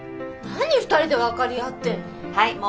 何２人で分かり合ってんの。